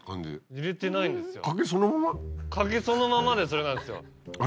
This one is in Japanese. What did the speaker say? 柿そのままでそれなんですよ。